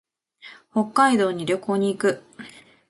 北海道に旅行に行く。